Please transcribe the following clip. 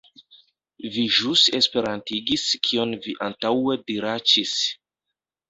Vi ĵus esperantigis kion vi antaŭe diraĉis!